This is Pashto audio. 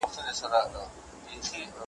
پښې او غاړي په تارونو کي تړلي `